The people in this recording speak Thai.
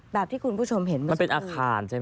แบบที่คุณผู้ชมเห็นเมื่อสักครู่มันเป็นอาคารใช่ไหม